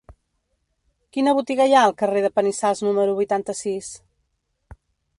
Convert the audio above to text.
Quina botiga hi ha al carrer de Panissars número vuitanta-sis?